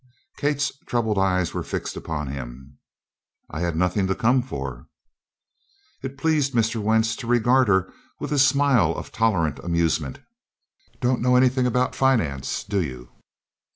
Kate's troubled eyes were fixed upon him. "I had nothing to come for." It pleased Mr. Wentz to regard her with a smile of tolerant amusement. "Don't know anything about finance, do you?"